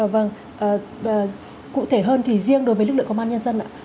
vâng cụ thể hơn thì riêng đối với lực lượng công an nhân dân ạ